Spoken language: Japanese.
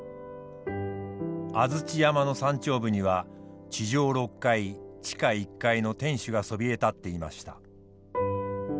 安土山の山頂部には地上６階地下１階の天主がそびえ立っていました。